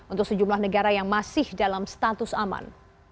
untuk sejumlah negara yang masih dalam status aman